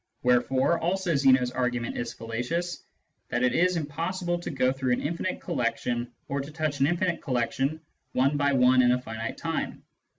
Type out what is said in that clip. ... Wherefore also Zeno's argument is fallacious, that it is impossible to go through an infinite collection or to touch an infinite collection one by one in a finite time.